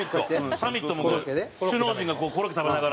サミットも首脳陣がこうコロッケ食べながら。